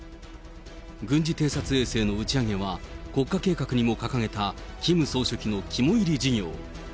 軍事偵察衛星の打ち上げは、国家計画にも掲げたキム総書記の肝煎り事業。